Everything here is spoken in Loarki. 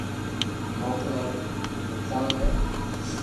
مون ڪني ايڪ دوڪون ھي